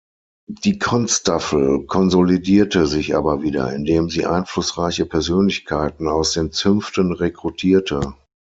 Die Constaffel konsolidierte sich aber wieder, indem sie einflussreiche Persönlichkeiten aus den Zünften rekrutierte.